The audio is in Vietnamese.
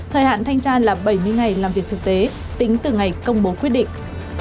thời hạn thanh tra là bảy mươi ngày làm việc thực tế tính từ ngày công bố quyết định